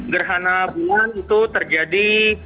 gerhana bulan itu terjadi